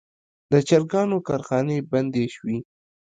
د چرګانو کارخانې بندې شوي.